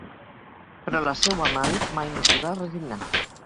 Però la seua mare mai no s'hi va resignar.